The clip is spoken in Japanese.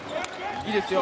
いいですよ